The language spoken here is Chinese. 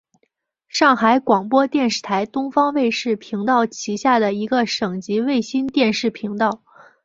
上海广播电视台东方卫视频道旗下的一个省级卫星电视频道。